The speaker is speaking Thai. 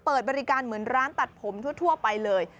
เปิดบริการเหมือนร้านตัดผมทั่วไปเลย